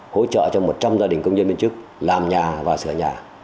hỗ trợ cho một trăm linh gia đình công nhân viên chức làm nhà và sửa nhà